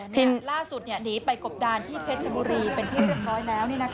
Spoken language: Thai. ล่าสุดหนีไปกบดานที่เพชรบุรีเป็นที่เรียบร้อยแล้ว